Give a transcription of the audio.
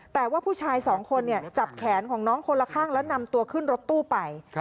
แต่ว่าผู้ชายสองคนจับแขนของน้องคนละข้างแล้วนำตัวขึ้นรถตู้ไป